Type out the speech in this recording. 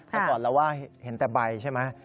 แต่ก่อนเราว่าเห็นแต่ใบใช่ไหม